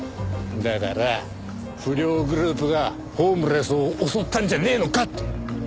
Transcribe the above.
だから不良グループがホームレスを襲ったんじゃねえのかって！